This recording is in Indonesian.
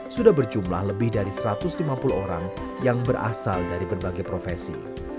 sudah berjumlah lebih dari satu ratus lima puluh orang yang berasal dari berbagai profesi